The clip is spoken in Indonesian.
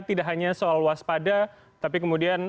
tidak hanya soal waspada tapi kemudian